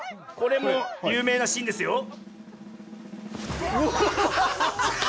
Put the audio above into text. これも有名なシーンですよ。